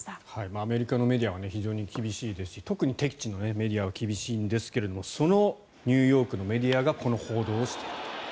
アメリカのメディアは非常に厳しいですし特に敵地のメディアは厳しいんですがそのニューヨークのメディアがこの報道をしていると。